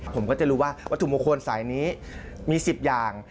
ผมก็จะรู้ว่าวัตถุมงคลสายนี้มี๑๐อย่าง